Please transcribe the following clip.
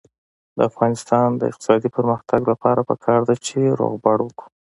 د افغانستان د اقتصادي پرمختګ لپاره پکار ده چې روغبړ وکړو.